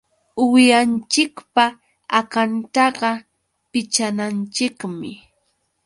Uwihanchikpa akantaqa pichananchikmi.